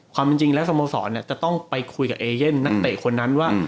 ความจริงแล้วสโมสรจะต้องไปคุยกับเอเย่นนักเตะคนนั้นว่า